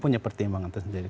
punya pertimbangan tersendiri